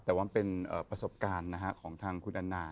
แต่ว่ามันเป็นประสบการณ์ของทางคุณแอนนา